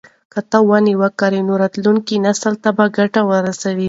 که ته ونې وکرې نو راتلونکي نسل ته به ګټه ورسوي.